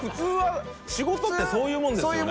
當未仕事ってそういうものですよね？